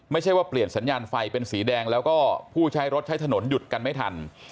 ไม่ใช่ว่าเปลี่ยนสัญญาณไฟเป็นสีแดงแล้วก็ผู้ใช้รถใช้ถนนหยุดกันไม่ทัน